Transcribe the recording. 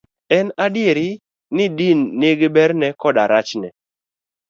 En adier ni din nigi berne koda rachne.